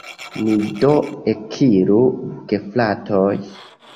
Ni do ekiru, gefratoj!